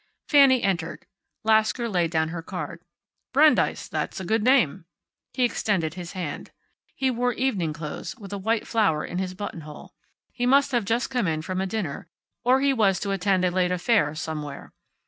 Fanny entered. Lasker laid down her card. "Brandeis. That's a good name." He extended his hand. He wore evening clothes, with a white flower in his buttonhole. He must have just come from a dinner, or he was to attend a late affair, somewhere.